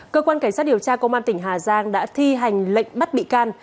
cơ quan cảnh sát điều tra công an tỉnh hà giang đã thi hành lệnh bắt bị can